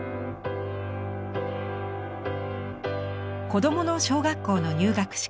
「子どもの小学校の入学式